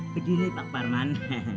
begini pak parman